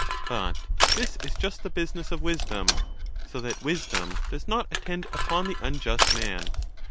But this is just the 5 business of wisdom, so that wisdom does not attend upon the unjust man.